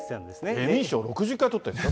エミー賞を６１回とってるんですか。